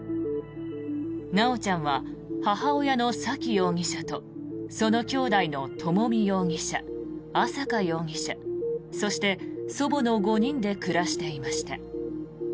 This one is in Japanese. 修ちゃんは母親の沙喜容疑者とそのきょうだいの朝美容疑者、朝華容疑者そして、祖母の５人で暮らしていました。